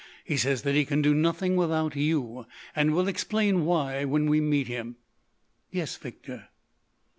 He says that he can do nothing without you, and will explain why when we meet him." "Yes, Victor."